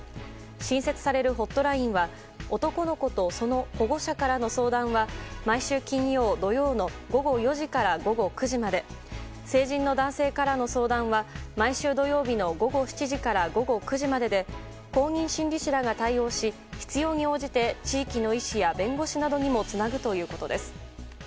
新設されるホットラインには男の子とその保護者からの相談は相談は、毎週金曜、土曜の午後４時から午後９時まで成人の男性からの相談は毎週土曜の午後７時から午後９時までで公認心理師らが対応し必要に応じて地域の医師や弁護士などにもつなぐということです。